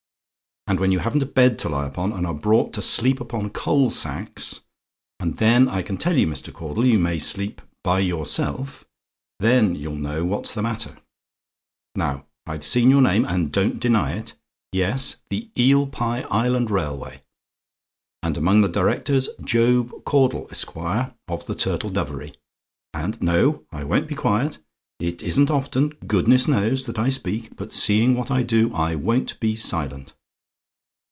And when you haven't a bed to lie upon, and are brought to sleep upon coal sacks and then I can tell you, Mr. Caudle, you may sleep by yourself then you'll know what's the matter. Now, I've seen your name, and don't deny it. Yes, the Eel Pie Island Railway and among the Directors, Job Caudle, Esq., of the Turtle Dovery, and no, I won't be quiet. It isn't often goodness knows! that I speak; but seeing what I do, I won't be silent.